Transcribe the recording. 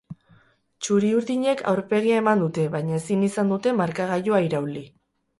Txuri-urdinek aurpegia eman dute, baina ezin izan dute markagailua irauli.